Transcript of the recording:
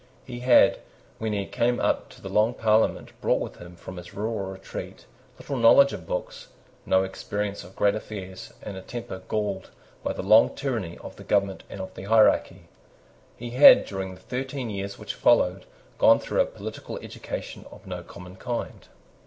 He had, when he came up to the Long Parliament, brought with him from his rural retreat little knowledge of books, no experience of great affairs, and a temper galled by the long tyranny of the government and of the hierarchy. He had, during the thirteen years which followed, gone through a political education of no common kind.